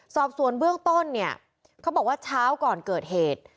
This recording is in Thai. สอบสวนเบื้องต้นเนี่ยเขาบอกว่าเช้าก่อนเกิดเหตุ